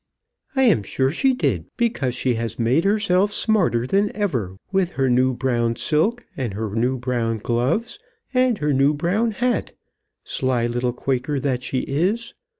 "I am sure she did, because she had made herself smarter than ever with her new brown silk, and her new brown gloves, and her new brown hat, sly little Quaker that she is.